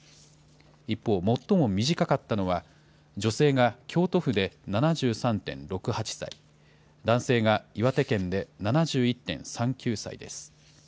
一方、最も短かったのは、女性が京都府で７３．６８歳、男性が岩手県で７１．３９歳です。